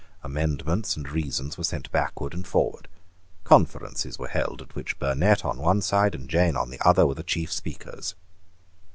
Amendments and reasons were sent backward and forward. Conferences were held at which Burnet on one side and Jane on the other were the chief speakers.